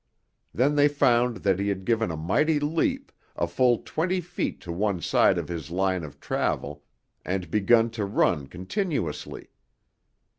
Then they found that he had given a mighty leap a full twenty feet to one side of his line of travel and begun to run continuously.